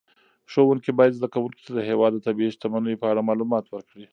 ښوونکي باید زده کوونکو ته د هېواد د طبیعي شتمنیو په اړه معلومات ورکړي.